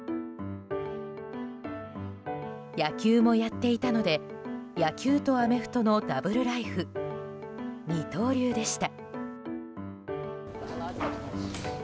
野球もやっていたので野球とアメフトのダブルライフ二刀流でした。